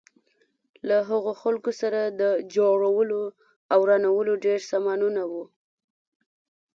له هغو خلکو سره د جوړولو او ورانولو ډېر سامانونه وو.